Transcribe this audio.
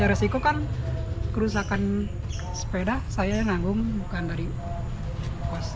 ya resiko kan kerusakan sepeda saya yang nanggung bukan dari kos